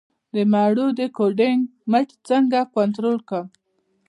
د مڼو د کوډلینګ مټ څنګه کنټرول کړم؟